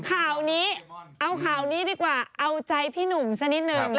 ข่าวนี้เอาข่าวนี้ดีกว่าเอาใจพี่หนุ่มสักนิดนึง